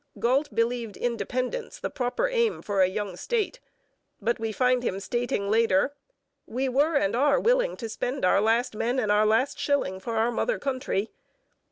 Galt believed independence the proper aim for a young state, but we find him stating later: 'We were and are willing to spend our last men and our last shilling for our mother country.'